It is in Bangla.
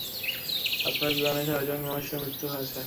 আপনার বিমানে ছয়জন মানুষের মৃত্যু হয়েছে।